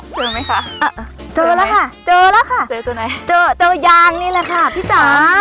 เจอไหมคะเจอแล้วค่ะเจอแล้วค่ะเจอตัวไหนเจอเจอยางนี่แหละค่ะพี่จ๋า